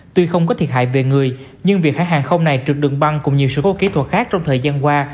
tuy không có thiệt hại về người nhưng việc hãng hàng không này trực đường băng cùng nhiều sự cố kỹ thuật khác trong thời gian qua